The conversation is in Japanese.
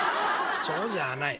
「そうじゃない。